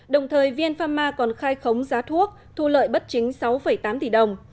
đồng thời vn pharma còn khai khống giá thuốc thu lợi bất chính sáu tám tỷ đồng